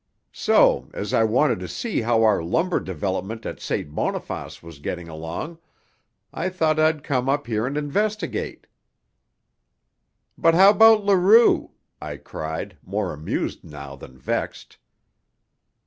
So, as I wanted to see how our lumber development at St. Boniface was getting along, I thought I'd come up here and investigate." "But how about Leroux?" I cried, more amused now than vexed.